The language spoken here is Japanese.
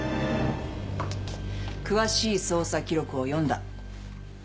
詳しい捜査記録を読んだ。